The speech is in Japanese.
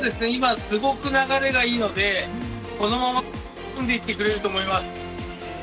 今、すごく流れがいいので、このまま突き進んでいってくれると思います。